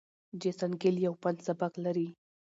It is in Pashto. جیسن ګیل یو فن سبک لري.